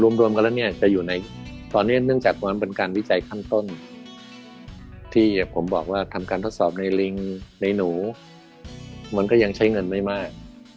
รวมกันแล้วเนี่ยจะอยู่ในตอนนี้เนื่องจากวันนั้นเป็นการวิจัยขั้นต้นที่ผมบอกว่าทำการทดสอบในลิงในหนูมันก็ยังใช้เงินไม่มาก